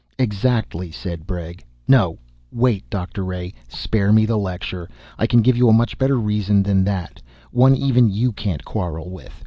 "Exactly," said Bregg. "No, wait, Doctor Ray. Spare me the lecture. I can give you a much better reason than that, one even you can't quarrel with.